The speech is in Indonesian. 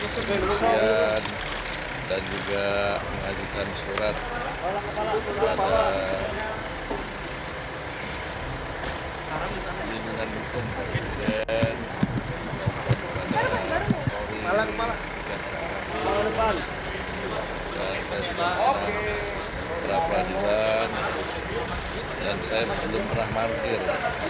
saya sudah pernah beradilan dan saya belum pernah martir